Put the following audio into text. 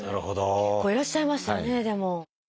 結構いらっしゃいますよねでも。